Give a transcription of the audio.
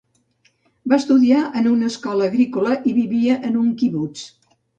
Va estudiar en una escola agrícola i vivia en un quibuts.